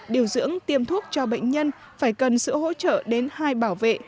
điều dưỡng tiêm thuốc cho bệnh nhân phải cần sự hỗ trợ đến hai bảo vệ